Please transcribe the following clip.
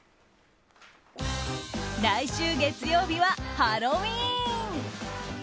来週月曜日はハロウィーン。